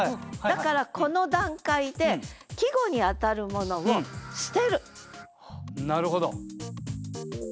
だからこの段階でなるほど。